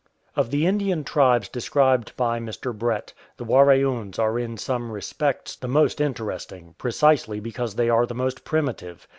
Of the Indian tribes described by Mr. Brett, the Waraoons are in some respects the most interesting, precisely because they are the most primitive.